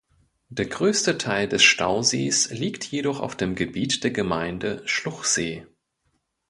Der größte Teil des Stausees liegt jedoch auf dem Gebiet der Gemeinde Schluchsee.